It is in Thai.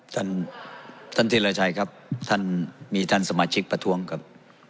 ท่านที่รัชชัยครับมีท่านสมาชิกประท้วงครับ